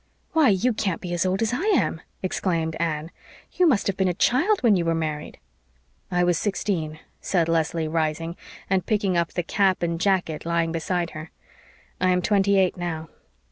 "Why, you can't be as old as I am!" exclaimed Anne. "You must have been a child when you were married." "I was sixteen," said Leslie, rising, and picking up the cap and jacket lying beside her. "I am twenty eight now.